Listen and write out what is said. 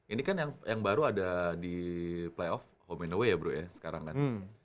ini kan yang baru ada di playoff home in away ya bro ya sekarang kan